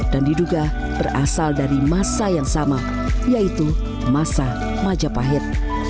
dan diduga berasal dari masa yang sama yaitu masa majapahit